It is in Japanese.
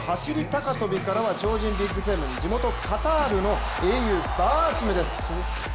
高跳びからは超人ビッグセブン、地元カタールの英雄・バーシムです。